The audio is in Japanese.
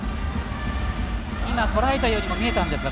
捉えたようにも見えたんですが。